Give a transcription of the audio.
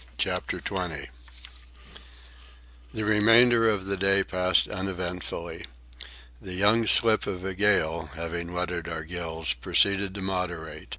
CHAPTER XX The remainder of the day passed uneventfully. The young slip of a gale, having wetted our gills, proceeded to moderate.